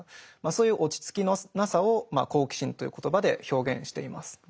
そういう落ち着きのなさを「好奇心」という言葉で表現しています。